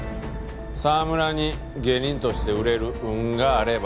澤村に芸人として売れる運があれば。